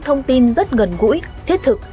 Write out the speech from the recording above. thông tin rất gần gũi thiết thực